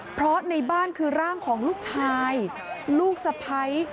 เพราะในบ้านคือร่างของลูกชายลูกสะพ้าย